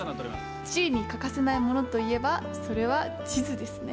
地理に欠かせないものといえばそれは地図ですね。